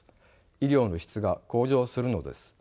医療の質が向上するのです。